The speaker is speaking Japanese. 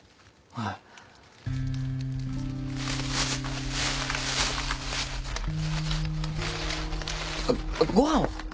あっあっご飯は？